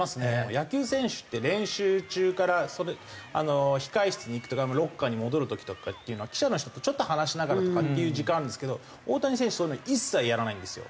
野球選手って練習中から控室に行くとかロッカーに戻る時とかっていうのは記者の人とちょっと話しながらとかっていう時間あるんですけど大谷選手そういうの一切やらないんですよ。